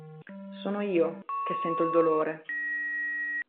Sono io che sento il dolore.